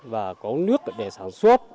và có nước để sản xuất